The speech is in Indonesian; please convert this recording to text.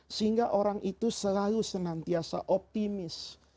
sehingga orang itu selalu senantiasa optimis